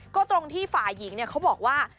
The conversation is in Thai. ก็ตรงที่ฝ่ายหญิงเขาบอกว่า